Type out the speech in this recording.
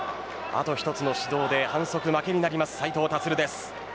あと１つの指導で反則負けになる斉藤立です。